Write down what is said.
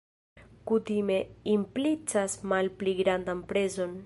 Kutime implicas malpli grandan prezon.